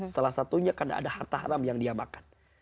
salah satunya karena ada harta haram yang dia makan